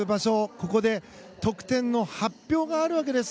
ここで得点の発表があるわけです。